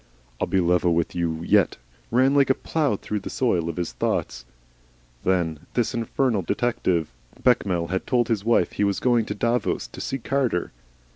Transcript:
"I'll be level with you yet," ran like a plough through the soil of his thoughts. Then there was this infernal detective. Bechamel had told his wife he was going to Davos to see Carter.